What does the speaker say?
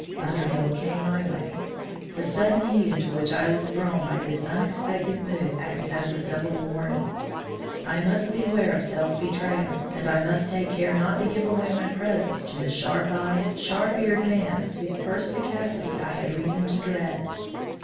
Underhill came my way. The sudden heat into which I was thrown by this unexpected move acted as a double warning. I must beware of self betrayal, and I must take care not to give away my presence to the sharp eyed, sharp eared man whose perspicacity I had reason to dread.